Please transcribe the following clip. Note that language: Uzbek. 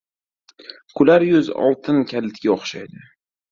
• Kular yuz oltin kalitga o‘xshaydi.